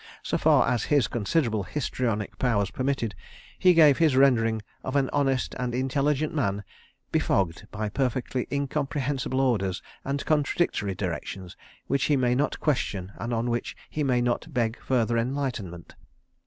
So far as his considerable histrionic powers permitted, he gave his rendering of an honest and intelligent man befogged by perfectly incomprehensible orders and contradictory directions which he may not question and on which he may not beg further enlightenment.